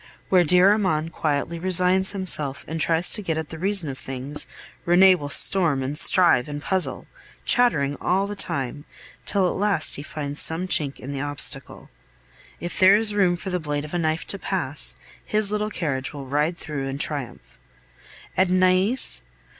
Where dear Armand quietly resigns himself and tries to get at the reason of things, Rene will storm, and strive, and puzzle, chattering all the time, till at last he finds some chink in the obstacle; if there is room for the blade of a knife to pass, his little carriage will ride through in triumph. And Nais?